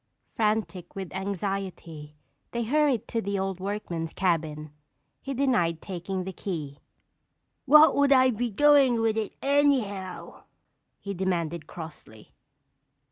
Frantic with anxiety, they hurried to the old workman's cabin. He denied taking the key. "What would I be doin' with it anyhow?" he demanded crossly.